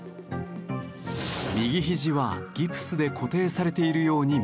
右ひじはギプスで固定されているように見えます。